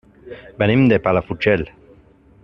Venim de Palafrugell.